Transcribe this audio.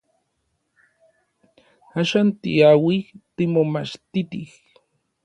Axan tiauij timomachtitij.